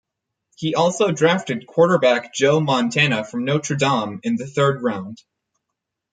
He also drafted quarterback Joe Montana from Notre Dame in the third round.